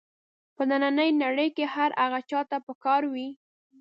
په نننۍ نړۍ کې هر هغه چا ته په کار وي.